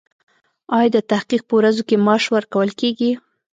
ایا د تحقیق په ورځو کې معاش ورکول کیږي؟